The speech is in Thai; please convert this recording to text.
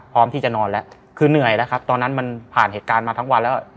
พร้อมที่จะนอนแล้วคือเหนื่อยแล้วครับตอนนั้นมันผ่านเหตุการณ์มาทั้งวันแล้ว